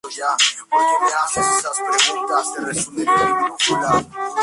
Esta batalla decidió la guerra.